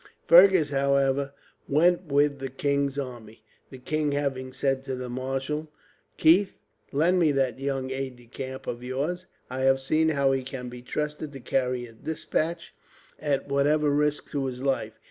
Fergus, however, went with the king's army, the king having said to the Marshal: "Keith, lend me that young aide de camp of yours. I have seen how he can be trusted to carry a despatch, at whatever risk to his life.